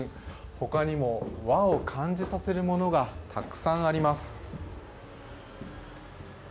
他にも和を感じさせるものがたくさんあります。